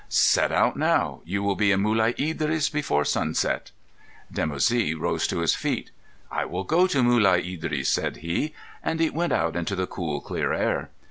"Set out now. You will be in Mulai Idris before sunset." Dimoussi rose to his feet. "I will go to Mulai Idris," said he, and he went out into the cool, clear air.